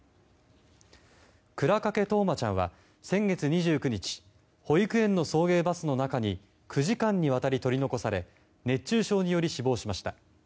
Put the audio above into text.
倉掛冬生ちゃんは、先月２９日保育園の送迎バスの中に９時間にわたり取り残され熱中症により死亡しました。